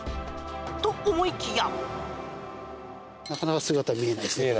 と、思いきや。